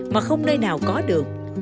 mà không nơi nào có được